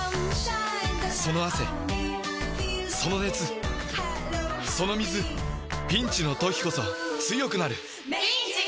その汗その熱その水ピンチの時こそ強くなる！